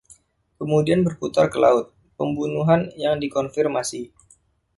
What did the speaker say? Kemudian berputar ke laut, pembunuhan yang dikonfirmasi.